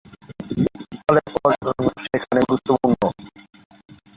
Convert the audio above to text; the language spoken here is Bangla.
ফলে পর্যটন ব্যবসা এখানে গুরুত্বপূর্ণ।